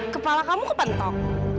kepala kamu kepentok